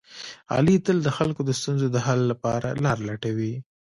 علي تل د خلکو د ستونزو د حل لپاره لاره لټوي.